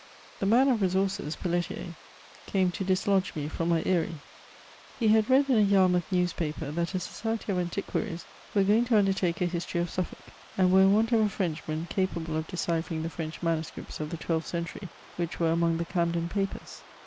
The man of resources^ Pelletier, came to dislodge me from my aSrie. He had read in a Yarmouth newspaper that a society of antiquaries were going to undertake a history of Suffolk^ and were in want of a Frenchman capable of deciphering the French manuscripts of the twelfth century, which were among the Camden papers.